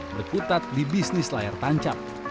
berkutat di bisnis layar tancap